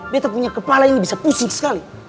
dia punya kepala ini bisa pusing sekali